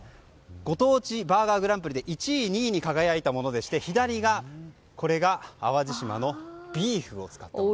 ご当地バーガーグランプリで１位、２位に輝いたものでして左が淡路島のビーフを使ったもの。